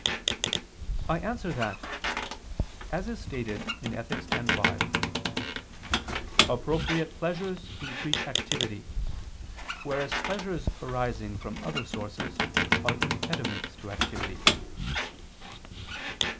I answer that, As is stated in Ethic. x, 5, "appropriate pleasures increase activity ... whereas pleasures arising from other sources are impediments to activity."